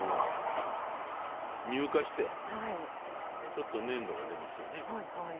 乳化してちょっと粘度が出ますよね。